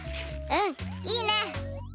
うんいいね。